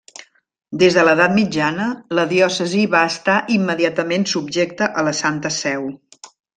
Des de l'edat mitjana, la diòcesi va estar immediatament subjecta a la Santa Seu.